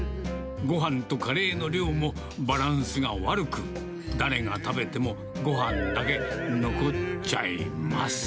ごはんとカレーの量もバランスが悪く、誰が食べてもごはんだけ残っちゃいます。